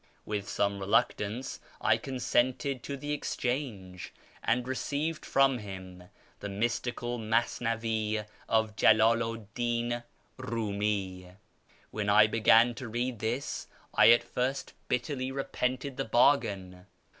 With some reluctance I consented to the exchange, and received from him the Mystical Masnavi of Jalulu 'd Din Eiimi. When I began to read this, I at first bitterly repented the bargain.